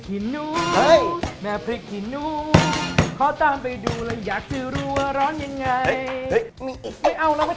เฮ้ยอย่าเอาเราไม่ทำอาหารแล้วเราเข้าค่ะ